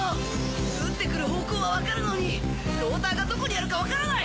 撃ってくる方向は分かるのにローターがどこにあるか分からない！